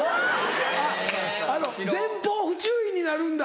あっあの前方不注意になるんだ。